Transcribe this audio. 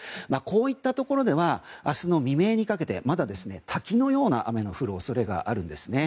こういったところでは明日の未明にかけてまだ滝のような雨が降る恐れがあるんですね。